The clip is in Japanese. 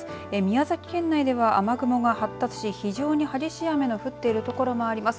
宮崎県内では雨雲が発達し非常に激しい雨の降っているところもあります。